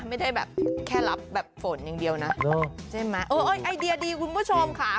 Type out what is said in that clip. ไม่ได้แบบแค่รับแบบฝนอย่างเดียวนะใช่ไหมเออไอเดียดีคุณผู้ชมค่ะ